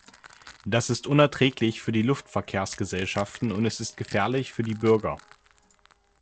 Das ist unerträglich für die Luftverkehrsgesellschaften, und es ist gefährlich für die Bürger.